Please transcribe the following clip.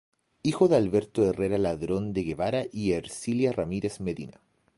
Hijo de Alberto Herrera Ladrón de Guevara y Ercilia Ramírez Medina.